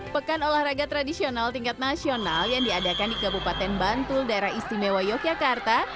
pekan olahraga tradisional tingkat nasional yang diadakan di kabupaten bantul daerah istimewa yogyakarta